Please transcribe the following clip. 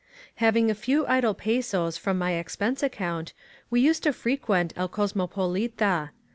Having a few idle pesos from my expense account, we used to frequent El Cosmopolita.